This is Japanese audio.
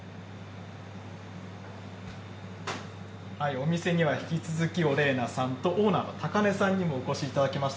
お店には、引き続きオレーナさんと、オーナーのＴＡＫＡＮＥさんにお越しいただきました。